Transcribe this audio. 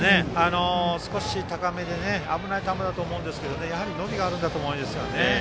少し高めで危ない球だと思いますがやはり伸びがあるんだと思います。